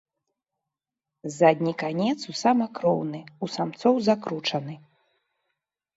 Задні канец у самак роўны, у самцоў закручаны.